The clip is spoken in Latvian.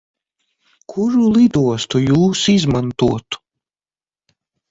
Kuru lidostu Jūs izmantotu?